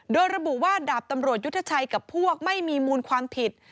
โดยระบุว่าดาบตำรวจยุทธชัยกับพวกไม่มีมูลความผิด